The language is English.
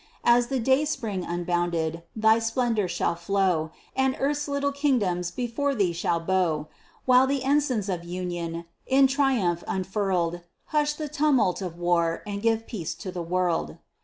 As the day spring unbounded, thy splendor shall flow, And earth's little kingdoms before thee shall bow; While the ensigns of union, in triumph unfurled, Hush the tumult of war and give peace to the world.